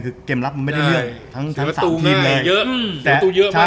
เกมลับมันไม่ได้เลือก